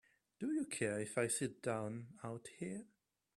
Do you care if I sit down out here?